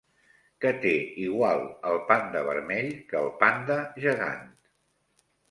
Què té igual el panda vermell que el panda gegant?